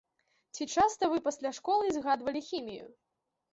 Ці часта вы пасля школы згадвалі хімію?